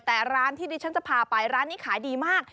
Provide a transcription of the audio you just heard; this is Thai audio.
แต่ร้านที่ดิฉันจะพาไปร้านนี้ขายดีมาก